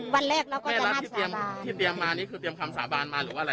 แม่รัฐที่เตรียมมานี่คือเตรียมคำสาบานมาหรือว่าอะไร